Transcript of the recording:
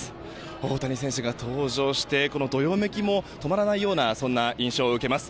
大谷選手が登場して、どよめきも止まらないようなそんな印象を受けます。